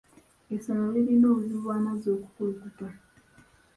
Essomero lirina obuzibu bw'amazzi okukulukuta.